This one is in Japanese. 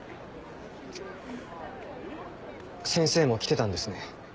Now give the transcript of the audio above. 先生も来てたんですね。